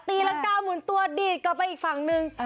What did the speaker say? ตีรังกาหมุนตัวดีดกลับไปอีกฝั่งหนึ่ง